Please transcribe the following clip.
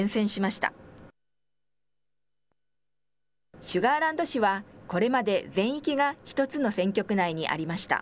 シュガーランド市はこれまで全域が１つの選挙区内にありました。